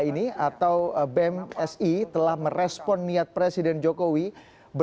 ini untuk asik wakil